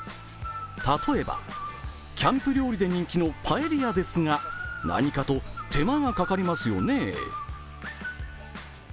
例えばキャンプ料理で人気のパエリアですが、何かと手間がかかりますよね。